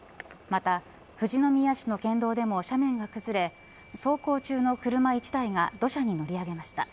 また富士宮市の県道でも斜面が崩れ走行中の車１台が土砂に乗り上げました。